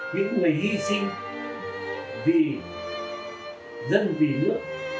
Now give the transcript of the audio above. những người hi sinh vì dân vì nước